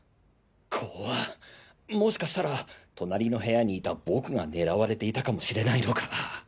こわっもしかしたら隣の部屋にいた僕が狙われていたかもしれないのか。